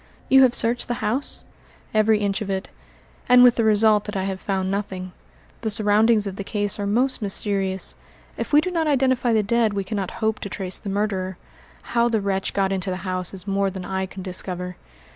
"You have searched the house?" "Every inch of it, and with the result that I have found nothing. The surroundings of the case are most mysterious. If we do not identify the dead we cannot hope to trace the murderer. How the wretch got into the house is more than I can discover."